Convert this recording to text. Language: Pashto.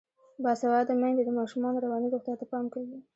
باسواده میندې د ماشومانو رواني روغتیا ته پام کوي.